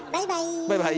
バイバイ。